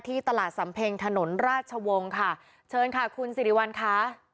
ตลาดสำเพ็งถนนราชวงศ์ค่ะเชิญค่ะคุณสิริวัลค่ะ